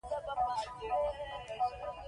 دا رژیمونه د جاهلیت مظاهر دي.